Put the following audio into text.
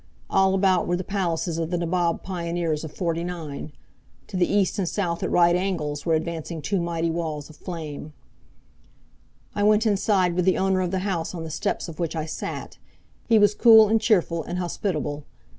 All about were the palaces of the nabob pioneers of Forty nine. To the east and south at right angles, were advancing two mighty walls of flame I went inside with the owner of the house on the steps of which I sat. He was cool and cheerful and hospitable.